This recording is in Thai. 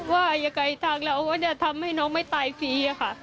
ว่าทางเราทำให้น้องไม่ตายฟรี